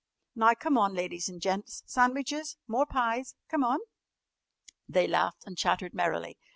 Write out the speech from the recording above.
Now, come on, ladies an' gents, sandwiches? More pies? Come on!" They laughed and chattered merrily.